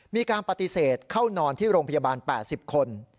มีการปฏิเสธเข้านอนที่โรงพยาบาล๘๐คน